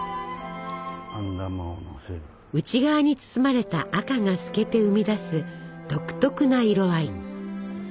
内側に包まれた赤が透けて生み出す独特な色合い。